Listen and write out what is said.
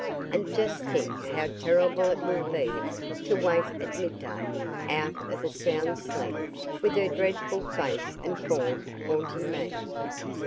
And just think how terrible it will be to wake at midday, out of a sound sleep, with her dreadful face and form haunting me!"